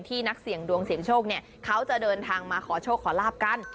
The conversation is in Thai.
นักเสี่ยงดวงเสี่ยงโชคเนี่ยเขาจะเดินทางมาขอโชคขอลาบกัน